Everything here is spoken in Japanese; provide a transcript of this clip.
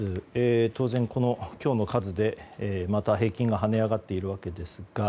当然、この今日の数でまた平均が跳ね上がっているわけですが。